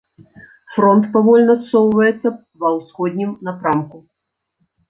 Фронт павольна ссоўваецца ва ўсходнім напрамку.